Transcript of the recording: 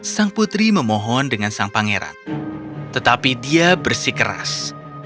sang putri memohon dengan sang pangeran tetapi dia bersikeras